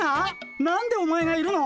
何でお前がいるの？